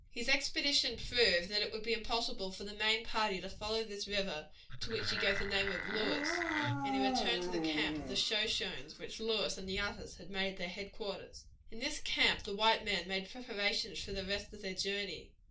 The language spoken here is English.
His expedition proved that it would be impossible for the main party to follow this river, to which he gave the name of Lewis, and he returned to the camp of the Shoshones, which Lewis and the others had made their headquarters. In this camp the white men made preparations for the rest of their journey.